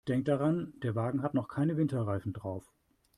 Denk daran, der Wagen hat noch keine Winterreifen drauf.